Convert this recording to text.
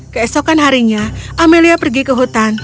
keesokan harinya amelia pergi ke hutan